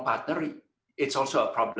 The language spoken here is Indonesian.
partner yang salah itu juga masalah